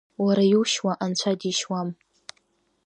Уара иушьуа анцәа дишьуам!